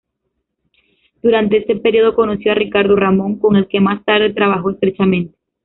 Durante este periodo, conoció a Ricardo Ramón, con el que más tarde trabajó estrechamente.